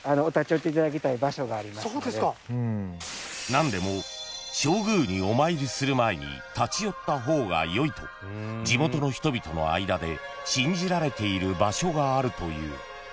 ［何でも正宮にお参りする前に立ち寄った方がよいと地元の人々の間で信じられている場所があるという］